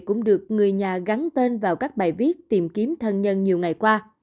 cũng được người nhà gắn tên vào các bài viết tìm kiếm thân nhân nhiều ngày qua